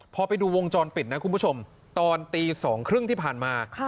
พอไปดูวงจรปิดนะคุณผู้ชมตอนตี๒๓๐ที่ผ่านมา